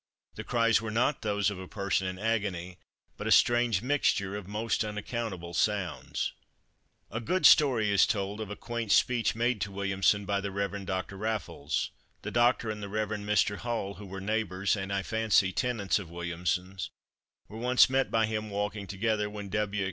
The cries were not those of a person in agony, but a strange mixture of most unaccountable sounds. A good story is told of a quaint speech made to Williamson by the Rev. Dr. Raffles. The Doctor and the Rev. Mr. Hull, who were neighbours, and, I fancy, tenants of Williamson's, were once met by him walking together, when W.